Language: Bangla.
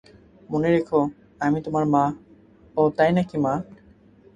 মনে রেখো, আমি তোমার মা -ওহ তাই নাকি, মা?